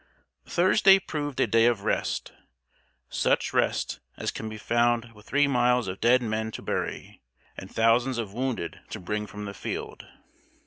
Thursday proved a day of rest such rest as can be found with three miles of dead men to bury, and thousands of wounded to bring from the field.